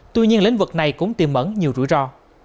tuy nhiên lĩnh vực này cũng tiêm ẩn nhiều rủi ro